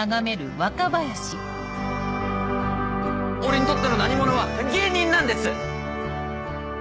俺にとっての「何者」は芸人なんです！